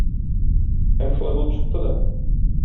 Һәм шулай булып чыкты да.